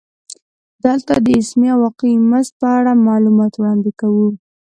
دلته د اسمي او واقعي مزد په اړه معلومات وړاندې کوو